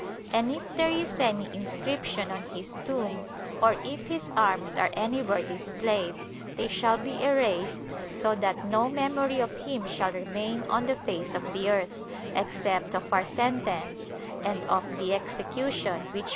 And, if there is any inscription on his tomb, or if his arms are anywhere displayed, they shall be erased, so that no memory of him shall remain on the face of the earth, except of our sentence and of the execution which we order in it.